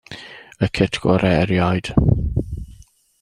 Y cit gorau erioed.